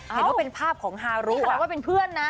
อ้าวแถวนี้เป็นภาพของฮารุอ่ะนี่ขนาดว่าเป็นเพื่อนนะ